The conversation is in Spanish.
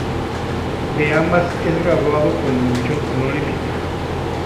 De ambas es graduado con mención honorífica.